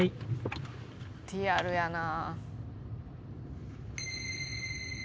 「リアルやな」